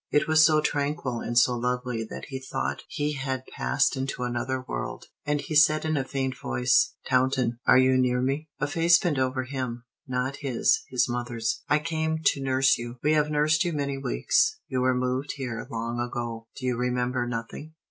It was so tranquil and so lovely that he thought he had passed into another world. And he said in a faint voice, "Taunton, are you near me?" A face bent over him. Not his, his mother's. "I came to nurse you. We have nursed you many weeks. You were moved here long ago. Do you remember nothing?"